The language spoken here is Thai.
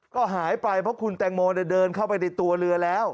ก็หายไปเพราะคุณแตงโมเดินเข้าไปในตัวเรือแล้ว